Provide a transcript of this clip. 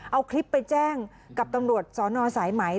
เอาคลิปไปแจ้งกับตำรวจสนสายไหม